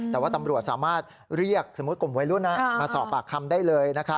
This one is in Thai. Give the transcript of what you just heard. แต่ว่าตำรวจสามารถเรียกสมมุติกลุ่มวัยรุ่นมาสอบปากคำได้เลย